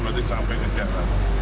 berarti sampai ke jatah